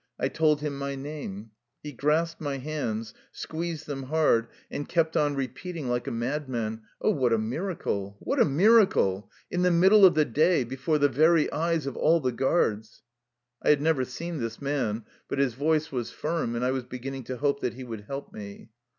I told him my name. He grasped my hands, squeezed them hard, and kept on re 207 THE LIFE STOEY OF A EUSSIAN EXILE peating like a madman :" Oh, what a miracle ! what a miracle! In the middle of the day, be fore the very eyes of all the guards !" I had never seen this man, but his voice was firm, and I was beginning to hope that he would help me.